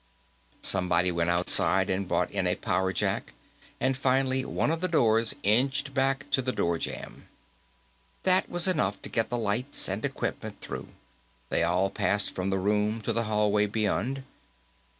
Somebody went outside and brought in a power jack and finally one of the doors inched back to the door jamb. That was enough to get the lights and equipment through: they all passed from the room to the hallway beyond.